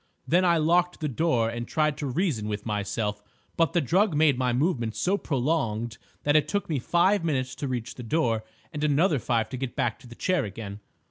Then I locked the door and tried to reason with myself, but the drug made my movements so prolonged that it took me five minutes to reach the door, and another five to get back to the chair again.